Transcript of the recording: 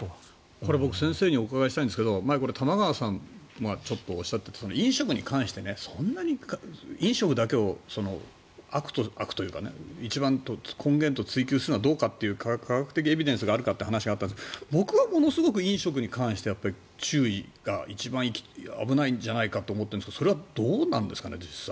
これは先生にお伺いしたいんですけど前に玉川さんがちょっとおっしゃっていて飲食に関してそんなに飲食だけを悪というか、一番の根源と追及するのはどうかと科学的エビデンスがあるかという話があったんですけど僕はものすごく飲食に関しては注意が一番危ないんじゃないかと思ってるんですがそれは実際、どうなんですかね。